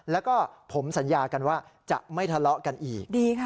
แล้วก็ผมสัญญากันว่าจะไม่ทะเลาะกันอีก